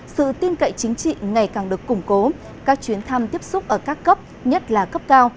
sự tin cậy chính trị ngày càng được củng cố các chuyến thăm tiếp xúc ở các cấp nhất là cấp cao